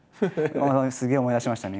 すげえ思い出しましたね